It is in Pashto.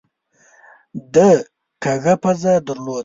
ده کږه پزه درلوده.